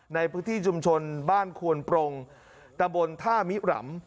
ในพื้นที่ชุมชนบ้านควนปรงตะบนท่ามิรำ